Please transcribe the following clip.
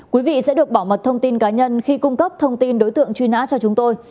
quý vị sẽ được bảo mật thông tin cá nhân khi cung cấp thông tin đối tượng truy nã cho chúng tôi